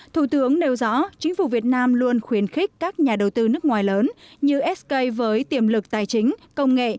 thủ tướng nêu rõ chính phủ việt nam luôn khuyến khích các nhà đầu tư nước ngoài lớn như sk với tiềm lực tài chính công nghệ